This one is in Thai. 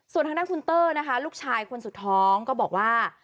ส่วนทางด้านคุณเตอร์นะคะลูกชายคนสุดท้องก็บอกว่า